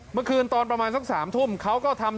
เมื่อคืนตอนประมาณสัก๓ทุ่มเขาก็ทำ